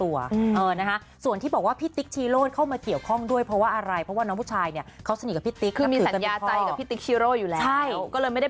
แล้วก็เดี๋ยวคอยวานครับไปวัดไอไข้ก็ได้